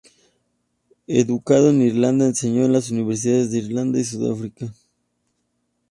Educado en Irlanda, enseñó en las universidades de Irlanda y Sudáfrica.